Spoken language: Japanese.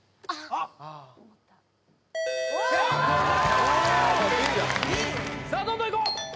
あっＢださあどんどんいこう！